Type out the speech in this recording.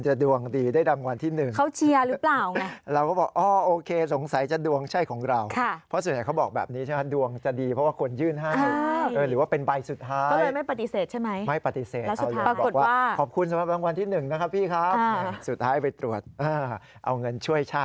ชีวิตเปลี่ยนแล้วเขาไม่ได้ตั้งใจซื้อนะ